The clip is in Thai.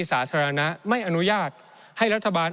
ในช่วงที่สุดในรอบ๑๖ปี